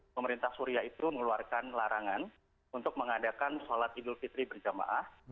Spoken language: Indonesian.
pemerintah suria itu mengeluarkan larangan untuk mengadakan sholat idul fitri berjamaah